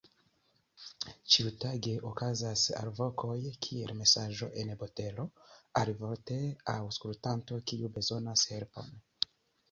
Ĉiutage okazas alvokoj kiel "Mesaĝo en botelo", alivorte aŭskultanto kiu bezonas helpon.